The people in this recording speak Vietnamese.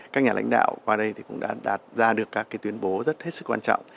các nhà lãnh đạo qua đây cũng đã đạt ra được các tuyên bố rất hết sức quan trọng